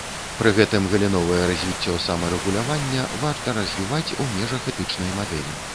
Пры гэтым галіновае развіццё самарэгулявання варта развіваць у межах этычнай мадэлі.